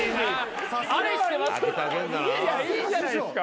逃げりゃいいじゃないですか。